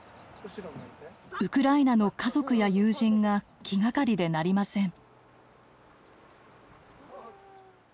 ウクライナの家族や友人が気がかりでなりません。